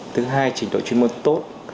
thứ hai trình độ chuyên môn tốt